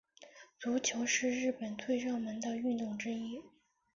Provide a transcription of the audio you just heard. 足球是日本最热门的运动之一。